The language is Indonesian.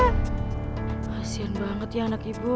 pasien banget ya anak ibu